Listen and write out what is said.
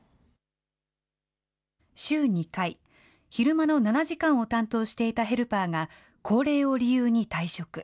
週２回、昼間の７時間を担当していたヘルパーが、高齢を理由に退職。